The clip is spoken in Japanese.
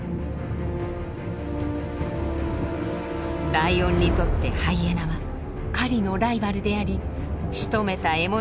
ライオンにとってハイエナは狩りのライバルでありしとめた獲物まで奪っていく目障りな相手。